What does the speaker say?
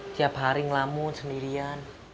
tiap hari ngelamun sendirian